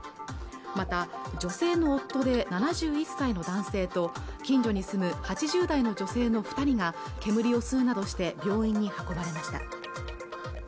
また女性の夫で７１歳の男性と近所に住む８０代の女性の二人が煙を吸うなどして病院に運ばれました